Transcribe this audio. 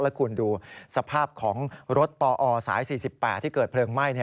แล้วคุณดูสภาพของรถปอสาย๔๘ที่เกิดเพลิงไหม้